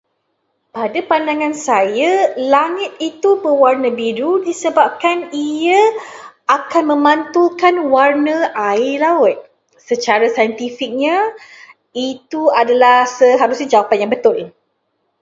Pada pandangan saya, langit itu berwarna biru disebabkan ia akan memantulkan warna air laut. Secara saintifiknya, itu adalah [unintelligible] jawapan yang betul.